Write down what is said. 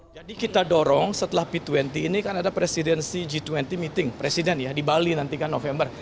jadi kita dorong setelah p dua puluh ini karena ada presidensi g dua puluh meeting presiden ya di bali nanti kan november